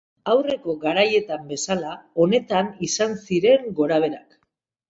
Aurreko garaietan bezala, honetan izan ziren gorabeherak.